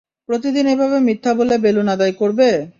প্রতিদিন এভাবে মিথ্যা বলে বেলুন আদায় করবে?